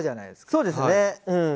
そうですねうん。